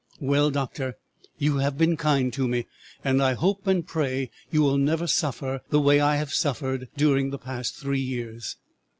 Well, doctor, you have been kind to me, and I hope and pray you will never suffer the way I have suffered during the past three years.